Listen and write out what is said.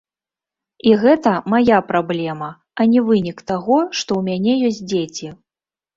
І гэта мая праблема, а не вынік таго, што ў мяне ёсць дзеці.